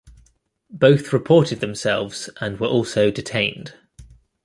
Both reported themselves and were also detained.